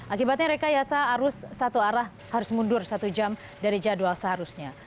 akibatnya rekayasa arus satu arah harus mundur satu jam dari jadwal seharusnya